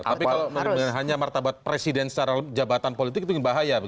tapi kalau hanya martabat presiden secara jabatan politik itu ingin bahaya